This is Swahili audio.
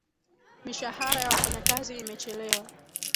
Mishahara ya wafanyakazi imechelewa